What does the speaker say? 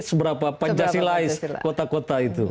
seberapa pancasilais kota kota itu